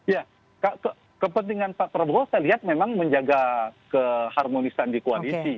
ya kepentingan pak prabowo saya lihat memang menjaga keharmonisan di koalisi